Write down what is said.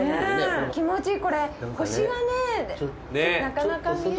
あ気持ちいい。